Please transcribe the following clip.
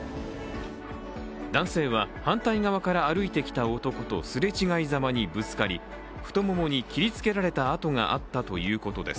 男性は、反対側から歩いてきた男とすれ違いざまにぶつかり太ももに切りつけられた痕があったということです。